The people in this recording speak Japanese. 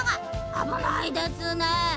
あぶないですね。